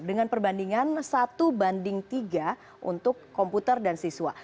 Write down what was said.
dengan perbandingan satu banding tiga untuk komputer dan siswa